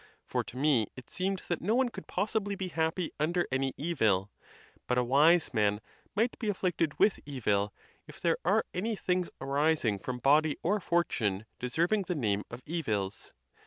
For to me it seemed that no one could possibly be happy under any evil; but a wise man might be afflicted with evil, if there are any things arising from body or fortune deserving the name of evils.